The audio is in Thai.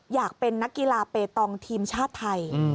อยากเป็นนักกีฬาเปตองทีมชาติไทย